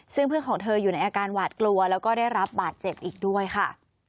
ซึ่งเพื่อนของเธออยู่ในอาการหวาดกลัวแล้วก็ได้รับบาดเจ็บอีกด้วยค่ะ